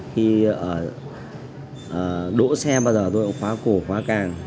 khi đổ xe bao giờ tôi cũng khóa cổ khóa càng